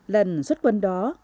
lần xuất quân đó